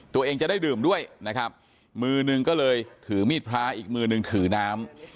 ตัวเองจะได้ดื่มด้วยนะครับมือหนึ่งก็เลยถือมีดพระอีกมือนึงถือน้ำ